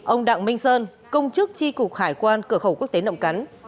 ông đặng minh sơn công chức tri cục hải quan cửa khẩu quốc tế nậm cắn